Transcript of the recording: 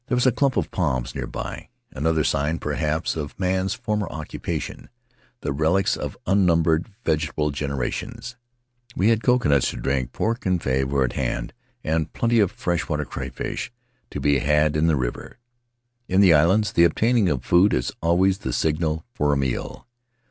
There was a clump of palms near by, another sign, perhaps, of man's former occu pation — the relics of unnumbered vegetable genera tions; we had coconuts to drink, pork said fez were at hand, and plenty of fresh water crayfish to be had in the river. In the islands, the obtaining of food is always the signal for a meal.